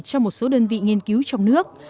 trong một số đơn vị nghiên cứu trong nước